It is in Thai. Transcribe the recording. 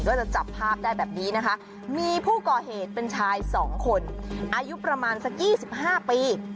จะจับภาพได้แบบนี้นะคะมีผู้ก่อเหตุเป็นชาย๒คนอายุประมาณสัก๒๕ปี